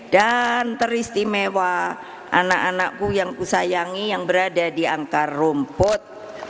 dan teristimewa anak anakku yang kusayangi yang berada di angkar rumput